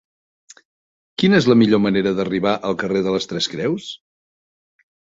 Quina és la millor manera d'arribar al carrer de les Tres Creus?